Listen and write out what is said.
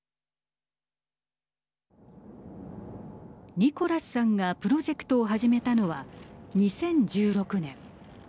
ニコラスさんがプロジェクトを始めたのは２０１６年。